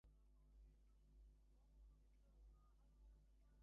তিনি প্রথম-শ্রেণীর ক্রিকেট খেলায় অংশ নেন।